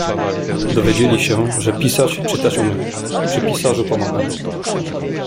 "Dowiedzieli się, że pisać, czytać umiem, przy pisarzu pomagam."